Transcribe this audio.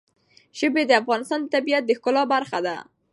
ژبې د افغانستان د طبیعت د ښکلا برخه ده.